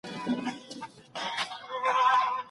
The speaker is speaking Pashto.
محیط مو د خپلي خوښې رنګ کړئ.